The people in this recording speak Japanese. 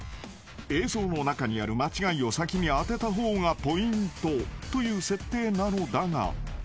［映像の中にある間違いを先に当てた方がポイントという設定なのだが］